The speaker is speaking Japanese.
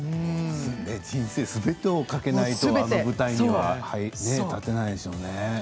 人生すべてをかけないとあの舞台には立てないでしょうね。